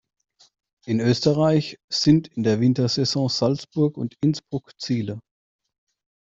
In Österreich sind in der Wintersaison Salzburg und Innsbruck Ziele.